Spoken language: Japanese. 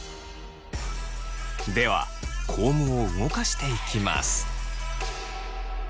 ではコームを動かしていきます。